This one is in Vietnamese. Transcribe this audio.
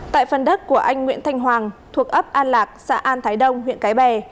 tại phần đất của anh nguyễn thanh hoàng thuộc ấp an lạc xã an thái đông huyện cái bè